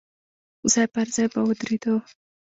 ځای پر ځای به ودرېدو.